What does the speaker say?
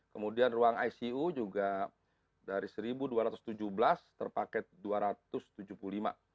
kemudian ruang icu juga dari satu dua ratus tujuh belas terpaket dua ratus tujuh puluh lima